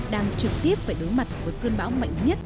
đang trực tiếp phải đối mặt với cơn bão mạnh nhất